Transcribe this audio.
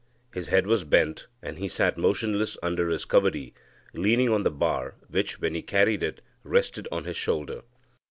His head was bent, and he sat motionless under his kavadi, leaning on the bar, which, when he carried it, rested on his shoulder.